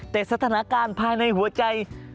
แต่สถานการณ์ภายในหัวใจ